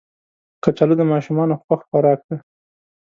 کچالو د ماشومانو خوښ خوراک دی